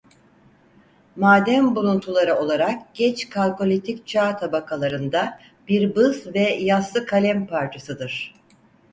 Maden buluntuları olarak Geç Kalkolitik Çağ tabakalarında bir bız ve yassı kalem parçasıdır.